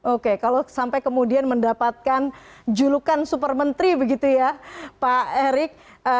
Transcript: oke kalau sampai kemudian mendapatkan julukan super menteri begitu ya pak erick